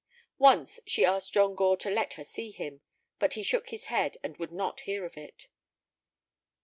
Once she asked John Gore to let her see him, but he shook his head and would not hear of it.